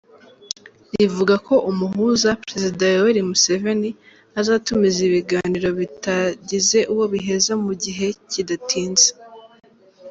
Rivuga ko umuhuza, Perezida Yoweri Museveni, azatumiza ibiganiro bitagize uwo biheza mu gihe kidatinze.